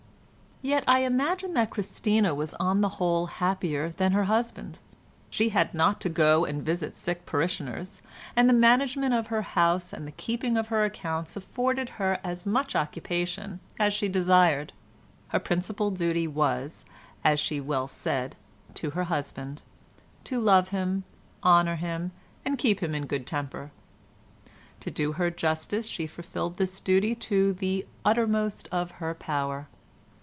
Yet I imagine that Christina was on the whole happier than her husband. She had not to go and visit sick parishioners, and the management of her house and the keeping of her accounts afforded as much occupation as she desired. Her principal duty was, as she well said, to her husband—to love him, honour him, and keep him in a good temper. To do her justice she fulfilled this duty to the uttermost of her power.